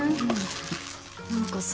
何かさ